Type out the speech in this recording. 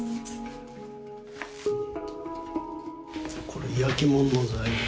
これ焼きもんの材料。